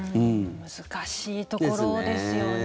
難しいところですよね。